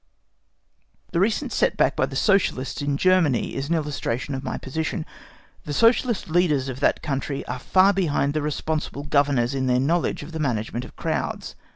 The recent set back experienced by the Socialists in Germany is an illustration of my position. The Socialist leaders of that country are far behind the responsible Governors in their knowledge of the management of crowds.